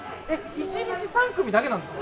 １日３組だけなんですか？